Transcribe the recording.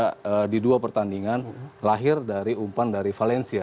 dua gol ibra di dua pertandingan lahir dari umpan dari valencia